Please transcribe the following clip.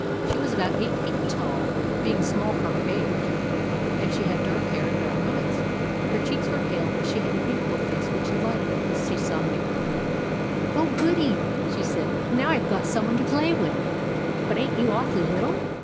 She was about eight feet tall, being small for her age, and she had dark hair and brown eyes. Her cheeks were pale; but she had a beautiful face which lighted up as she saw Mabel. i7o THE ADVENTURES OF MABEL " Oh, goody !" she said, " now I Ve got some one to play with ! But ain't you awfully little